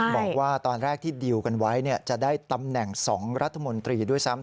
บอกว่าตอนแรกที่ดีลกันไว้จะได้ตำแหน่ง๒รัฐมนตรีด้วยซ้ำ